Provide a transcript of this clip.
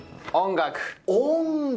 音楽。